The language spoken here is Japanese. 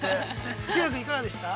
日向君、いかがでしたか。